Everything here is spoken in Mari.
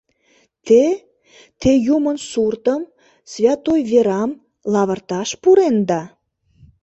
— Те, те юмын суртым, святой верам лавырташ пуренда?